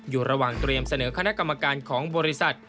อยู่ระหว่างเตรียมเสนอคณะกรรมการของบริษัท